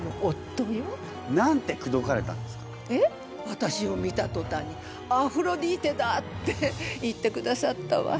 私を見たとたんに「アフロディーテだっ！！」って言ってくださったわ。